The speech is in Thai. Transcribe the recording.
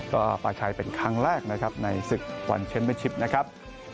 ก็ปลาชัยเป็นครั้งแรกนะครับในศึกวันเชนเป็นชิปนะครับ